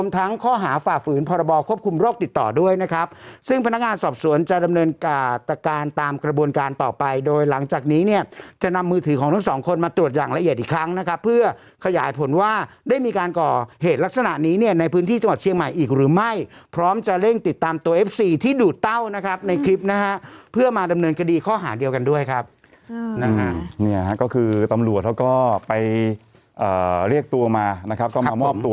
ถือของทั้งสองคนมาตรวจอย่างละเอียดอีกครั้งนะครับเพื่อขยายผลว่าได้มีการก่อเหตุลักษณะนี้เนี้ยในพื้นที่จังหวัดเชียงใหม่อีกหรือไม่พร้อมจะเร่งติดตามตัวเอฟซีที่ดูดเต้านะครับในคลิปนะฮะเพื่อมาดำเนินกดีข้อหาเดียวกันด้วยครับนี่ฮะก็คือตำรวจเขาก็ไปเอ่อเรียกตัวมานะครับก็มามอบ